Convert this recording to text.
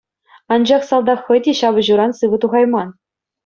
Анчах салтак хӑй те ҫапӑҫуран сывӑ тухайман.